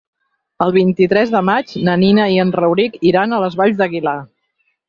El vint-i-tres de maig na Nina i en Rauric iran a les Valls d'Aguilar.